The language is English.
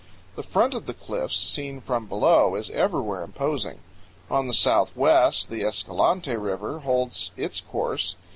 The front of the cliffs, seen from below, is everywhere imposing. On the southwest the Escalante River holds its course.